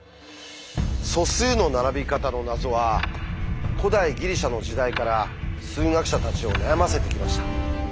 素数の並び方の謎は古代ギリシャの時代から数学者たちを悩ませてきました。